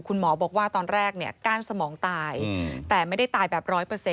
คุณหมอบอกว่าตอนแรกก้านสมองตายแต่ไม่ได้ตายแบบ๑๐๐